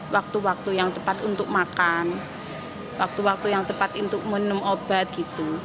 waktu waktu yang tepat untuk makan waktu waktu yang tepat untuk minum obat gitu